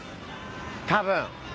多分。